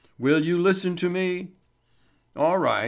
Will you listen to me?" "All right.